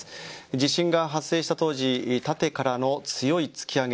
地震が発生した当時縦からの強い突き上げ